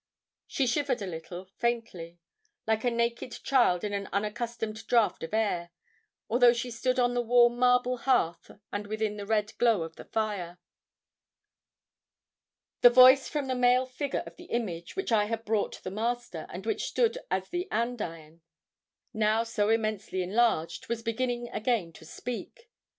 She shivered a little, faintly, like a naked child in an unaccustomed draught of air, although she stood on the warm marble hearth and within the red glow of the fire. "The voice from the male figure of the image, which I had brought the Master, and which stood as the andiron, now so immensely enlarged, was beginning again to speak.